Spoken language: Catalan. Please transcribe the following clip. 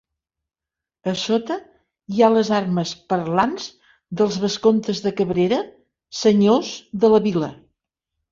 A sota hi ha les armes parlants dels vescomtes de Cabrera, senyors de la vila.